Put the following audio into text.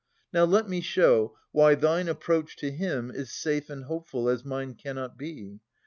Now let me show, why thine approach to him Is safe and hopeful as mine cannot be.